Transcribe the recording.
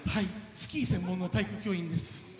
スキー専門の体育教員です。